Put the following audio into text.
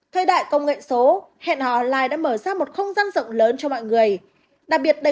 thời đại công nghệ số hẹn họ online đã mở ra một không gian rộng lớn cho mọi người đặc biệt